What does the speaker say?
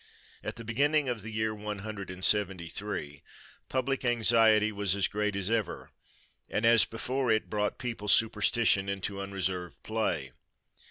At the beginning of the year one hundred and seventy three public anxiety was as great as ever; and as before it brought people's superstition into unreserved play.